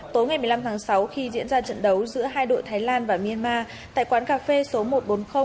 tối ngày một mươi năm tháng sáu khi diễn ra trận đấu giữa hai đội thái lan và myanmar tại quán cà phê số một trăm bốn mươi